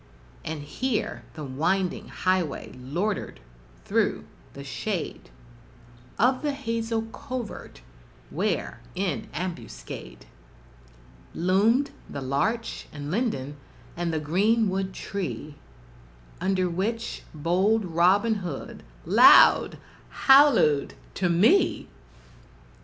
And here the winding highway loitered through the shade Of the hazel covert, where, in ambuscade, Loomed the larch and linden, and the green wood tree Under which bold Robin Hood loud hallooed to me!